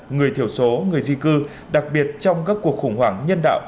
người thiểu số người di cư đặc biệt trong các cuộc khủng hoảng nhân đạo